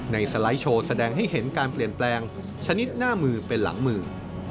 สไลด์โชว์แสดงให้เห็นการเปลี่ยนแปลงชนิดหน้ามือเป็นหลังมือ